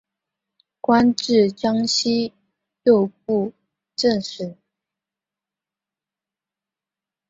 官至江西右布政使。